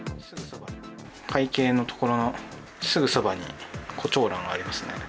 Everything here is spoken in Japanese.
会計の所のすぐそばにコチョウランがありますね。